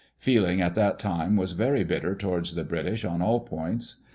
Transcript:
Feeling at that time was very bitter towards the British on all points.